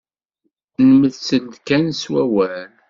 Nmettel-d kan s wawal.